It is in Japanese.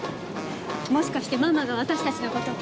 もしかしてママが私たちの事を？